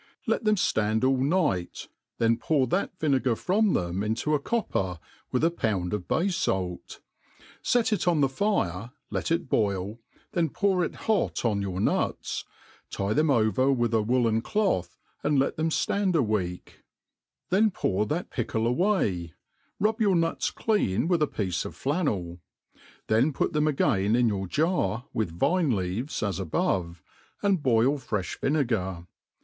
Let then fland ail night, then pour that vinegar from them into a cop^ per, with a pound of bay^falt; fee it on the fire, let it boil^ then pour it hot on your npts, tic them over with a woollea cloth, and let them iland a weel^ ; then pour that pickle away, f ub your liuts clean with a piece of fiannel ; then put thetm^ again in your jar, with vine leaves, as abbve, and boil fredi vinegar.